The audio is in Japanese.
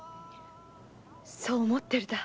そう思っているだ。